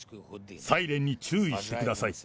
サイレンに注意してください。